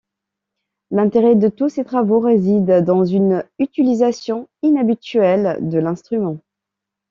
L’intérêt de tous ces travaux réside dans une utilisation inhabituelle de l’instrument.